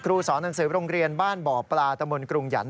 ครูศรหนังสือรุงเรียนบ้านบ่อปลาตะบลกรุงหยันต์